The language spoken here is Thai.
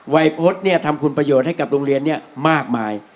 วัยพฤษเนี่ยทำคุณประโยชน์ให้กับโรงเรียนเนี่ยมากมาย